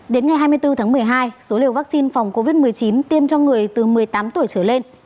đến ngày hai mươi bốn tháng một mươi hai số liều vaccine phòng covid một mươi chín tiêm cho người từ một mươi tám tuổi trở lên